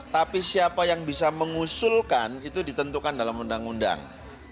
tapi siapa yang bisa mengusulkan itu ditentukan dalam undang undang